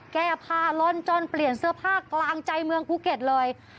แก้ผ้าล่อนจนเปลี่ยนเสื้อผ้ากลางใจเมืองภูเก็ตเลย